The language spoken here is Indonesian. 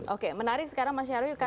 oke menarik sekarang mas nyarwi